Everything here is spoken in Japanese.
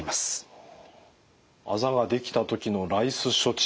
あざができた時のＲＩＣＥ処置。